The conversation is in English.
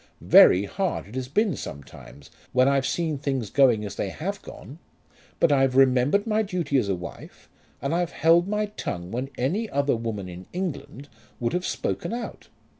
Very hard it has been sometimes when I've seen things going as they have gone; but I've remembered my duty as a wife, and I've held my tongue when any other woman in England would have spoken out.